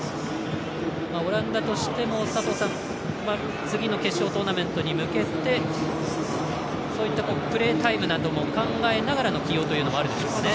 オランダとしても次の決勝トーナメントに向けてそういったプレータイムなども考えながらの起用というのもあるんでしょうかね。